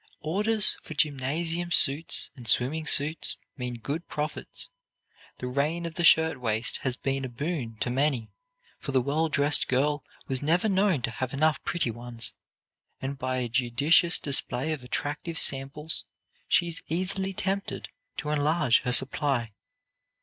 Orders for gymnasium suits and swimming suits mean good profits. The reign of the shirt waist has been a boon to many, for the well dressed girl was never known to have enough pretty ones, and by a judicious display of attractive samples she is easily tempted to enlarge her supply.